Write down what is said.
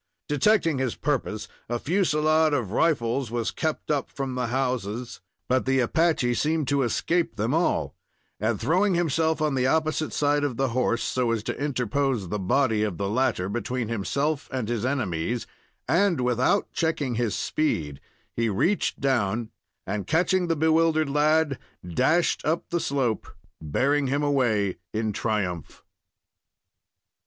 Detecting his purpose, a fusilade of rifles was kept up from the houses, but the Apache seemed to escape them all; and, throwing himself on the opposite side of the horse, so as to interpose the body of the latter between himself and his enemies, and, without checking his speed, he reached down, and catching the bewildered lad, dashed up the slope, bearing him away in triumph.